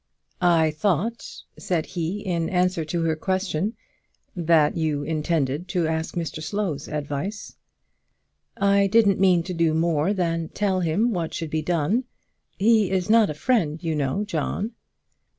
"I thought," said he, in answer to her question, "that you intended to ask Mr Slow's advice?" "I didn't mean to do more than tell him what should be done. He is not a friend, you know, John."